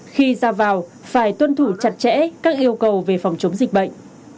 khi ra vào phải tuân thủ chặt chẽ các yêu cầu về phòng chống dịch bệnh